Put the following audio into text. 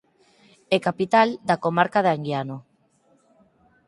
E capital da Comarca de Anguiano.